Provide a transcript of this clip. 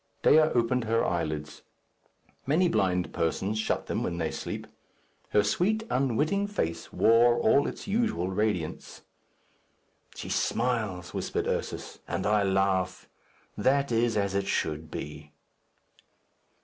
Dea opened her eyelids; many blind persons shut them when they sleep. Her sweet unwitting face wore all its usual radiance. "She smiles," whispered Ursus, "and I laugh. That is as it should be."